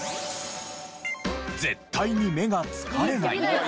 絶対に目が疲れない。